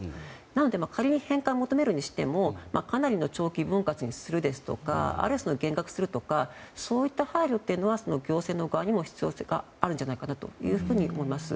なので仮に返還を求めるにしてもかなりの長期分割にするとかあるいは減額するとかそうした配慮は行政の側にも必要性があるんじゃないかなと思います。